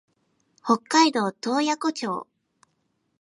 北海道洞爺湖町